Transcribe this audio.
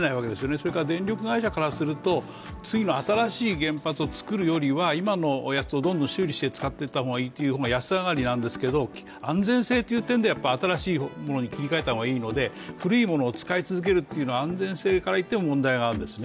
それから電力会社からすると、次の新しい原発を造るよりは今のやつをどんどん修理して使っていった方が安上がりなんですけれども安全性という点ではやっぱり新しいものに切り替えた方がいいので古いものを使い続けるというのは安全性からいっても問題があるんですね。